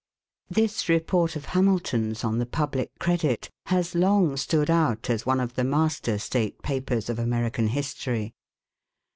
This report of Hamilton's on the public credit has long stood out as one of the master state papers of American history.